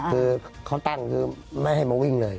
คือเขาตั้งคือไม่ให้มาวิ่งเลย